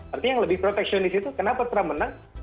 artinya yang lebih proteksionis itu kenapa trump menang